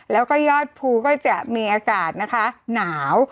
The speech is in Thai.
แล้วก็ยอดภูก็จะมีอากาศนะคะหนาว